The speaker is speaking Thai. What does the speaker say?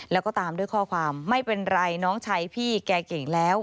แล้วก็ตามด้วยข้อความไม่เป็นไรน้องชายพี่แกเก่งแล้ว